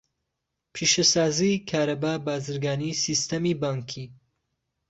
پیشەسازی، کارەبا، بازرگانی، سیستەمی بانکی.